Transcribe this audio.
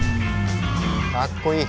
かっこいい。